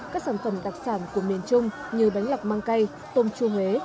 các sản phẩm đặc sản của miền trung như bánh lọc mang cây tôm chua huế